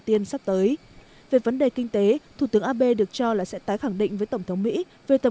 tiên sắp tới về vấn đề kinh tế thủ tướng abe được cho là sẽ tái khẳng định với tổng thống mỹ về tầm